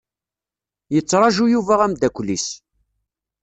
Yettraju Yuba ameddakel-is.